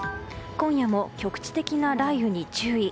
今夜も局地的な雷雨に注意。